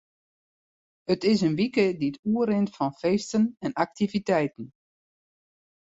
It is in wike dy't oerrint fan feesten en aktiviteiten.